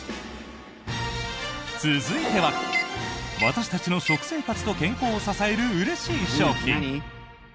続いては私たちの食生活と健康を支えるうれしい商品！